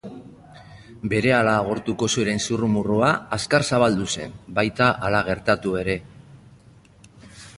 Berehala agortuko ziren zurrumurrua azkar zabaldu zen, baita hala gertatu ere!